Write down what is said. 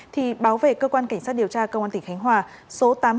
thì báo về cơ quan kỳ sát điều tra công an tỉnh khánh hòa